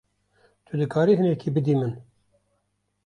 Tu dikarî hinekî bidî min?